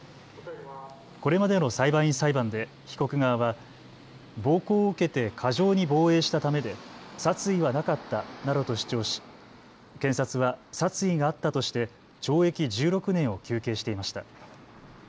これまでの裁判員裁判で被告側は暴行を受けて過剰に防衛したためで殺意はなかったなどと主張し検察は殺意があったとして懲役１６年を求刑していました。